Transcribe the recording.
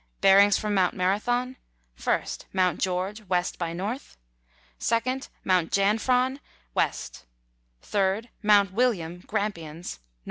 Bearings from Mt. Marathon. list. Mount George, W. by N. 2nd. Mount Jaufrone, West. 3rd. Mount William (Grampians), N.W.